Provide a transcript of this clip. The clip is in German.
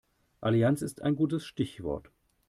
Allianz ist ein gutes Stichwort.